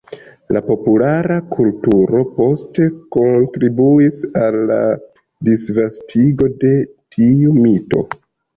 La populara kulturo poste kontribuis al la disvastigo de tiu mito.